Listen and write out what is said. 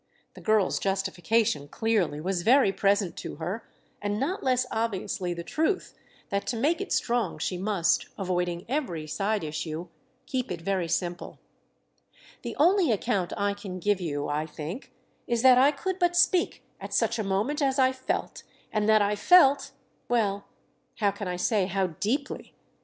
The girl's justification, clearly, was very present to her, and not less obviously the truth that to make it strong she must, avoiding every side issue, keep it very simple, "The only account I can give you, I think, is that I could but speak at such a moment as I felt, and that I felt—well, how can I say how deeply?